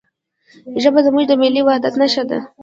ژبه زموږ د ملي وحدت نښه ده.